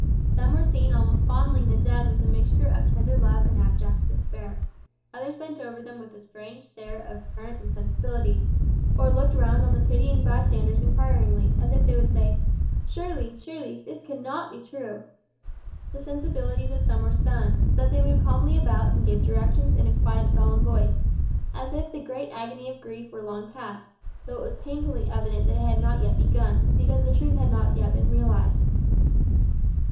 Some were seen almost fondling the dead with a mixture of tender love and abject despair. Others bent over them with a strange stare of apparent insensibility, or looked round on the pitying bystanders inquiringly, as if they would say, "Surely, surely, this cannot be true." The sensibilities of some were stunned, so that they moved calmly about and gave directions in a quiet solemn voice, as if the great agony of grief were long past, though it was painfully evident that it had not yet begun, because the truth had not yet been realised.